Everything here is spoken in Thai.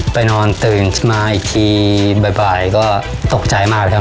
ไปนอนตื่นขึ้นมาอีกทีบ่ายก็ตกใจมากครับ